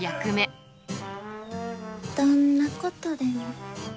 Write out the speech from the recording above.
どんなことでも。